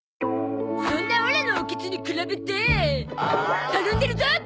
そんなオラのおケツに比べてたるんでるゾ